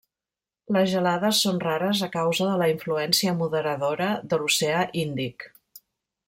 Les gelades són rares a causa de la influència moderadora de l'oceà Índic.